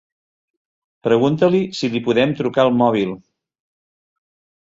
Pregunta-li si li podem trucar al mòbil.